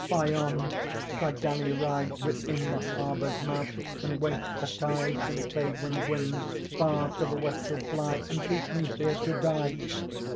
Phaon, thy galley rides Within the harbor's mouth and waits the tides And favoring winds, far to the west to fly And leave me here to die.